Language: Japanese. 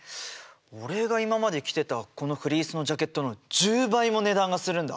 俺が今まで着てたこのフリースのジャケットの１０倍も値段がするんだ！